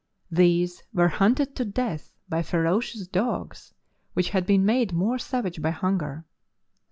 These were hunted to death by ferocious dogs which had been made more savage by hunger.